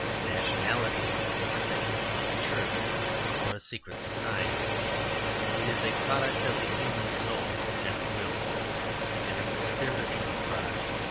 Nationality is a thing like a church or a secret society; it is a product of the human soul and will; it is a spiritual product.